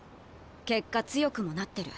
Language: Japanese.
結果強くもなってる。